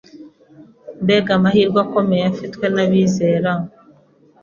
Mbega amahirwe akomeye afitwe n’abizera